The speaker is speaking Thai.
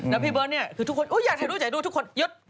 แล้วพี่เบิร์ตเนี่ยคือทุกคนอยากถ่ายรูปถ่ายรูปทุกคนยึด